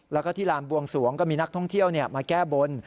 แล้วก็ที่ลานบวงสวงก็มีนักท่องเที่ยวมาแก้บน